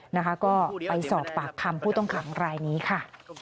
นะคะก็ไปสอบปากคำผู้ต้องขังรายนี้ค่ะ